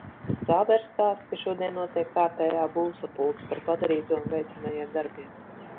Zābers stāsta, ka šodien notiek kārtējā būvsapulce par padarīto un veicamajiem darbiem.